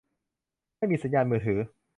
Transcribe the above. ไม่มีสัญญานมือถือ